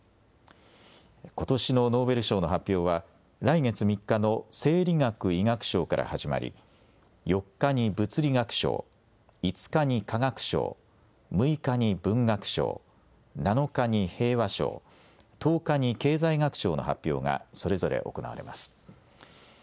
ことしのノーベル賞の発表は来月３日の生理学・医学賞から始まり４回に物理学賞、５日に化学賞、６日に文学賞、７日に平和賞、１０日に経済学賞の発表がそれぞれ行われます。